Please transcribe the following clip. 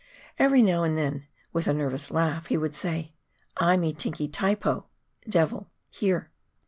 Every now and then with a nervous laugh he would say, " I me tinkee Taipo (devil) here!"